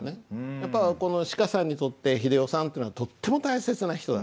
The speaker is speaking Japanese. やっぱこのシカさんにとって英世さんっていうのはとっても大切な人だ。